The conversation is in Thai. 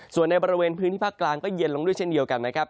ส่วนในบริเวณพื้นที่ภาคกลางก็เย็นลงด้วยเช่นเดียวกันนะครับ